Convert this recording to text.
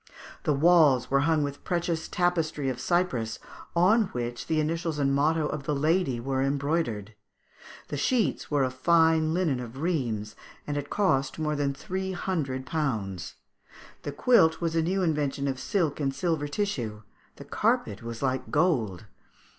The walls were hung with precious tapestry of Cyprus, on which the initials and motto of the lady were embroidered; the sheets were of fine linen of Rheims, and had cost more than three hundred pounds; the quilt was a new invention of silk and silver tissue; the carpet was like gold.